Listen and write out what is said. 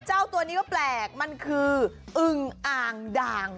เจ้าตัวนี้ก็แปลกมันคืออึงอ่างด่าง